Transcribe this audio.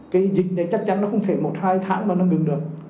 cái dịch này chắc chắn nó không thể một hai tháng mà nó ngừng được